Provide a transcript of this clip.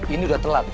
ini udah telat